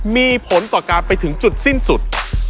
มีผลต่อการไปถึงจุดสิ้นสุด